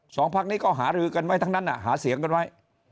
พักนี้ก็หารือกันไว้ทั้งนั้นหาเสียงกันไว้